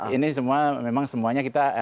ini memang semuanya kita